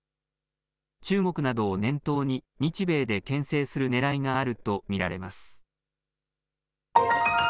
中国などを念頭に日米でけん制するねらいがあると見られます。